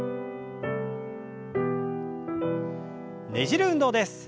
ねじる運動です。